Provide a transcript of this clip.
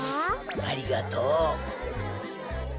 ありがとう。